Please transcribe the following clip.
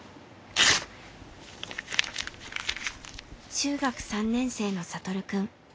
中学校３年生の聖くん。